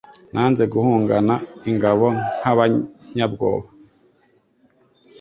nanze guhungana ingabo nk' abanyabwoba